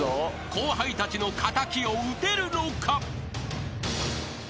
後輩たちの敵を討てるのか？］